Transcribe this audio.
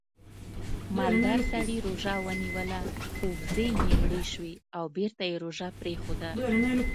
مالدار سړي روژه ونیوله خو وزې یې مړې شوې او بېرته یې روژه پرېښوده